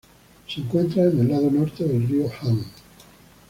Se encuentra en el lado norte del Río Han.